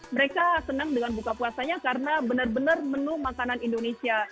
mereka senang dengan buka puasanya karena benar benar menu makanan indonesia